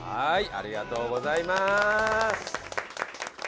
ありがとうございます！